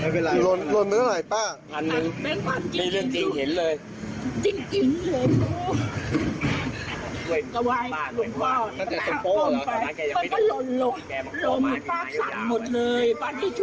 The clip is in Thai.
เขาก็เขาก็ไปดู